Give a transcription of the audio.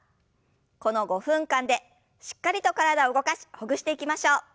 この５分間でしっかりと体を動かしほぐしていきましょう。